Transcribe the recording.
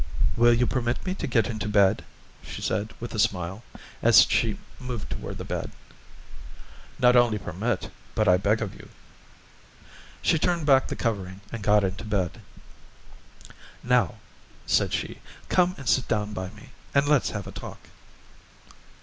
"Will you permit me to get into bed?" she said with a smile, as she moved toward the bed. "Not only permit, but I beg of you." She turned back the covering and got into bed. "Now," said she, "come and sit down by me, and let's have a talk."